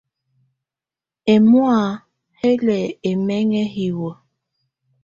Ɛmɔ̀á hɛ lɛ ɛmɛŋɛ hiwǝ́.